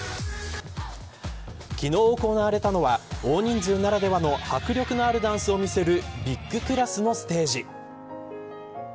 昨日、行われたのは大人数ならではの迫力のあるダンスを見せるビッグクラスのステージ。